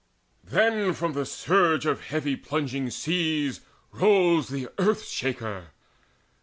Then from the surge of heavy plunging seas Rose the Earth shaker.